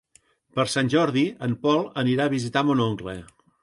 Per Sant Jordi en Pol anirà a visitar mon oncle.